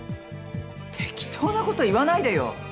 適当なこと言わないでよ。